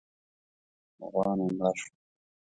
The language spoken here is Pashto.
غوا مې مړه شوه.